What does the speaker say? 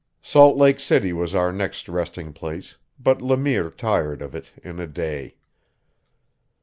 Salt Lake City was our next resting place, but Le Mire tired of it in a day.